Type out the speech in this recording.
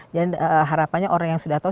dan harapannya orang yang sudah tahu